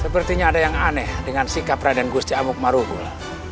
sepertinya ada yang aneh dengan sikap raden gusti amuk maruful